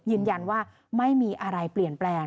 ยืนยันว่าไม่มีอะไรเปลี่ยนแปลง